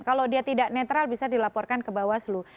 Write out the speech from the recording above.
kalau dia tidak netral bisa dilaporkan ke bawah seluruh